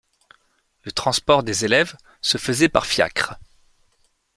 Le transport des élèves se faisait par fiacres.